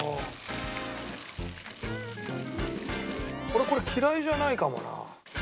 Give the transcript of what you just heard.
俺これ嫌いじゃないかもな。